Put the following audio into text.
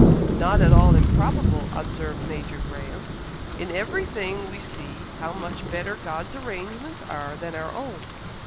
"Not at all improbable," observed Major Graham. "In every thing we see how much better God's arrangements are than our own.